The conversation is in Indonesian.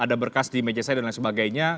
ada berkas di meja saya dan lain sebagainya